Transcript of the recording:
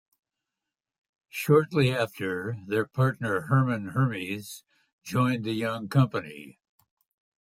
Shortly after, their partner Hermann Hermes joined the young company.